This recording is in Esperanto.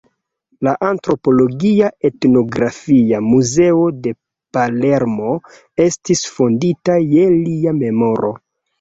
La Antropologia Etnografia Muzeo de Palermo estis fondita je lia memoro.